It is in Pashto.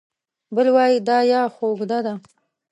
بل وای دا یا خو اوږده ده